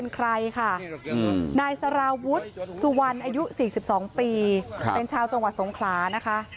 นายสราวุธสุวรรณอายุ๔๒ปีเป็นชาวจังหวัดสงขลานะคะ